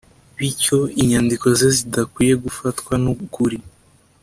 bityo inyandiko ze zidakwiye gufatwa nk’ukuri